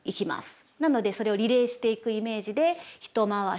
なのでそれをリレーしていくイメージで一回ししましょう。